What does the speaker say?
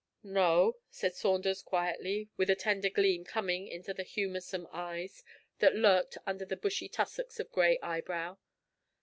'No,' said Saunders quietly, with a tender gleam coming into the humorsome kindly eyes that lurked under their bushy tussocks of grey eyebrow.